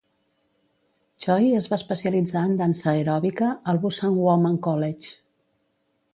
Choi es va especialitzar en dansa aeròbica al Busan Women College.